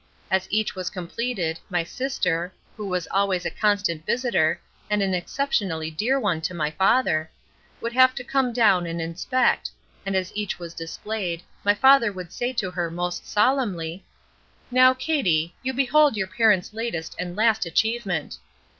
As each was completed, my sister—who was always a constant visitor, and an exceptionally dear one to my father—would have to come down and inspect, and as each was displayed, my father would say to her most solemnly: "Now, Katie, you behold your parent's latest and last achievement."